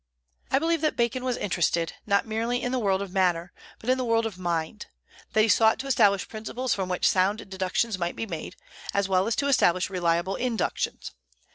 I believe that Bacon was interested, not merely in the world of matter, but in the world of mind; that he sought to establish principles from which sound deductions might be made, as well as to establish reliable inductions.